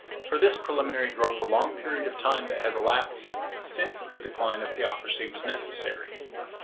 For this preliminary growth the long period of time that has elapsed since the decline of theocracy was necessary.